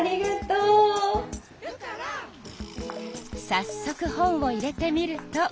さっそく本を入れてみると。